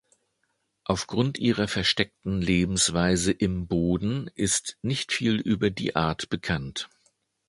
Aufgrund ihrer versteckten Lebensweise im Boden ist nicht viel über die Art bekannt.